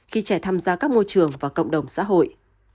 khi trẻ tham gia các môi trường và cộng đồng xã hội